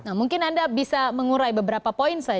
nah mungkin anda bisa mengurai beberapa poin saya